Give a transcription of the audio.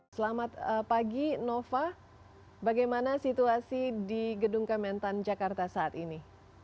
selamat pagi nova bagaimana situasi di gedung kementan jakarta saat ini